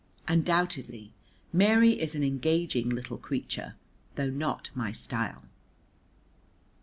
Undoubtedly Mary is an engaging little creature, though not my style.